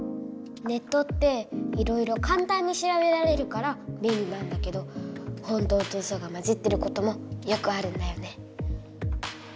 ネットっていろいろ簡単にしらべられるから便利なんだけど本当とウソがまじってることもよくあるんだよね。